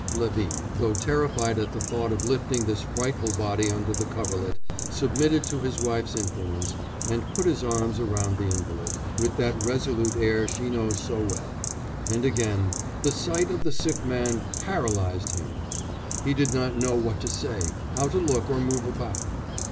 "Levin, though terrified at the thought of lifting this frightful body under the coverlet, submitted to his wife's influence, and put his arms around the invalid, with that resolute air she knew so well": and again, "The sight of the sick man paralysed him; he did not know what to say, how to look or move about....